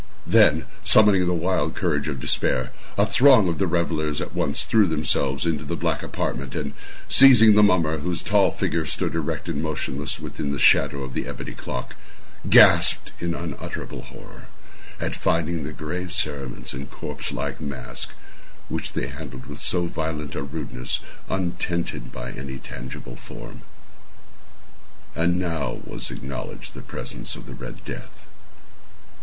Then, summoning the wild courage of despair, a throng of the revellers at once threw themselves into the black apartment, and, seizing the mummer, whose tall figure stood erect and motionless within the shadow of the ebony clock, gasped in unutterable horror at finding the grave cerements and corpse like mask which they handled with so violent a rudeness, untenanted by any tangible form. And now was acknowledged the presence of the Red Death.